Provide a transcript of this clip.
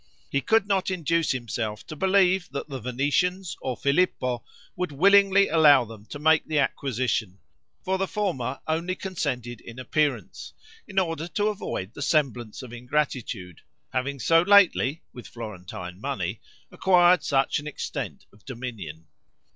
He could not induce himself to believe that the Venetians, or Filippo, would willingly allow them to make the acquisition; for the former only consented in appearance, in order to avoid the semblance of ingratitude, having so lately, with Florentine money, acquired such an extent of dominion.